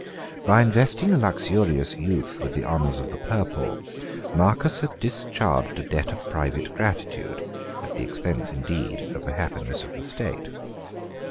By investing a luxurious youth with the honors of the purple, Marcus had discharged a debt of private gratitude, at the expense, indeed, of the happiness of the state.